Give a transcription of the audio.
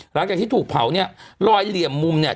หลังจากที่ถูกเผาเนี่ยลอยเหลี่ยมมุมเนี่ย